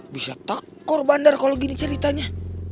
bisa tekor bandar kalau gini ceritanya